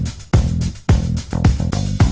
มีวันหยุดเอ่ออาทิตย์ที่สองของเดือนค่ะ